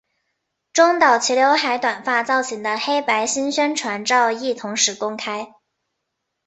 中岛齐浏海短发造型的黑白新宣传照亦同时公开。